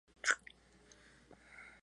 Todo ello intercalado con números musicales.